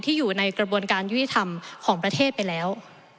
อยู่ในกระบวนการยุติธรรมของประเทศไปแล้ว